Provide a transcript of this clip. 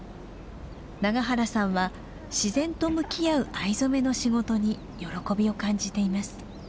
永原さんは自然と向き合う藍染めの仕事に喜びを感じています。